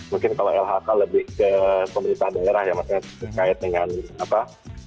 mungkin kalau lhk lebih ke pemerintahan daerah ya maksudnya terkait dengan apa